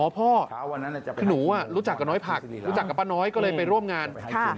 พ่อหนูรู้จักกับน้อยผักรู้จักกับป้าน้อยก็เลยไปร่วมงาน